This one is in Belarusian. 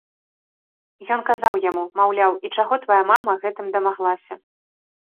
Ён казаў яму, маўляў, і чаго твая мама гэтым дамаглася?